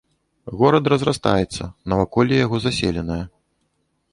Горад разрастаецца, наваколле яго заселенае.